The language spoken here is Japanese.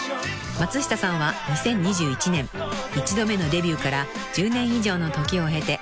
［松下さんは２０２１年１度目のデビューから１０年以上の時を経て再デビュー］